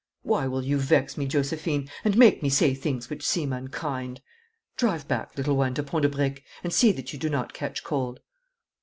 Why will you vex me, Josephine, and make me say things which seem unkind? Drive back, little one, to Pont de Briques, and see that you do not catch cold.'